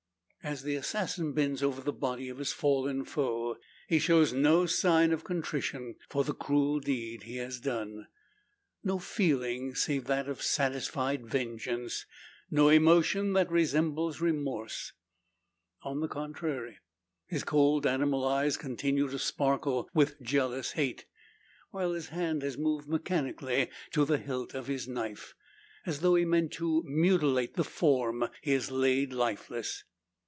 As the assassin bends over the body of his fallen foe, he shows no sign of contrition, for the cruel deed he has done. No feeling save that of satisfied vengeance; no emotion that resembles remorse. On the contrary, his cold animal eyes continue to sparkle with jealous hate; while his hand has moved mechanically to the hilt of his knife, as though he meant to mutilate the form he has laid lifeless.